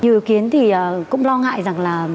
như kiến thì cũng lo ngại rằng là